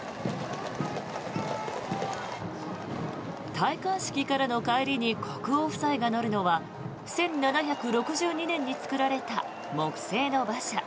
戴冠式からの帰りに国王夫妻が乗るのは１７６２年に作られた木製の馬車